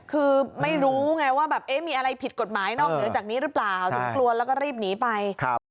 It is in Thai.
คือไม่รู้ไงว่าแบบมีอะไรผิดกฎหมายนอกเหนือจากนี้หรือเปล่าถึงกลัวแล้วก็รีบหนีไป